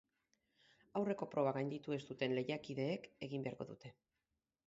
Aurreko proba gainditu ez duten lehiakideek egin beharko dute.